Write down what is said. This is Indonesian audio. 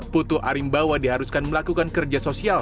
putu arimbawa diharuskan melakukan kerja sosial